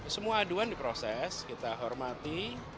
semua aduan diproses kita hormati